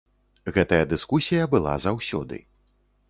Гэтая дыскусія была заўсёды.